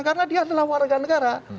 karena dia adalah warga negara